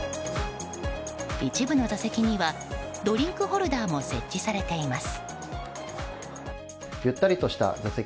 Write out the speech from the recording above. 一部の座席にはドリンクホルダーも設置されています。